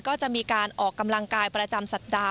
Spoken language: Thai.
ก็จะมีการออกกำลังกายประจำสัปดาห